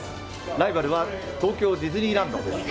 ライバルは東京ディズニーランドです。